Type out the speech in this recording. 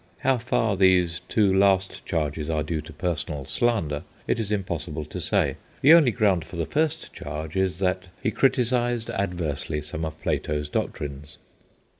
How far these two last charges are due to personal slander it is impossible to say. The only ground for the first charge is, that he criticised adversely some of Plato's doctrines.